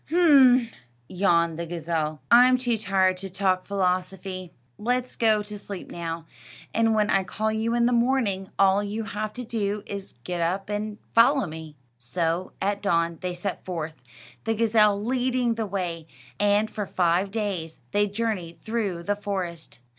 "H'm!" yawned the gazelle; "I'm too tired to talk philosophy. Let's go to sleep now, and when I call you in the morning, all you have to do is to get up and follow me." So at dawn they set forth, the gazelle leading the way, and for five days they journeyed through the forest.